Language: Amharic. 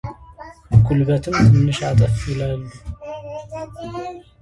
ጉልበትም ትንሽ አጠፍ ይላሉ።